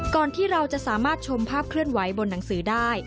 ที่เราจะสามารถชมภาพเคลื่อนไหวบนหนังสือได้